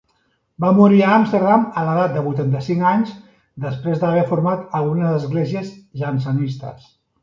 Va morir a Amsterdam a l'edat de vuitanta-cinc anys, després d'haver format algunes esglésies jansenistes.